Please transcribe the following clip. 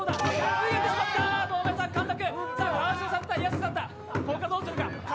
脱げてしまった、堂前さん、失格！